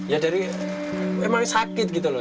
ya dari emang sakit gitu loh